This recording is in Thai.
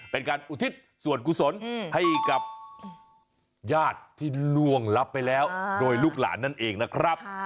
เป็นการอุทิศส่วนกุศลให้กับญาติที่ล่วงลับไปแล้วโดยลูกหลานนั่นเองนะครับ